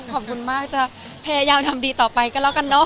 ขอบคุณมากจะพยายามทำดีต่อไปก็แล้วกันเนอะ